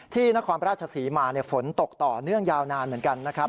นครราชศรีมาฝนตกต่อเนื่องยาวนานเหมือนกันนะครับ